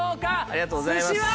ありがとうございます。